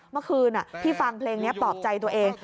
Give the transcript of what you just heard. เมื่อคืนพี่ฟังเพลงนี้ปลอบใจตัวเอง